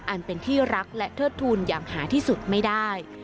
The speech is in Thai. อันเป็นที่รักและเทิดทูลอย่างหาที่สุดไม่ได้